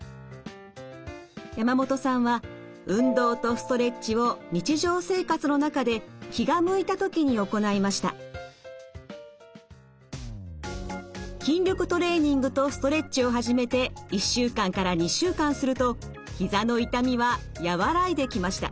山本さんは運動とストレッチを日常生活の中で筋力トレーニングとストレッチを始めて１週間から２週間するとひざの痛みは和らいできました。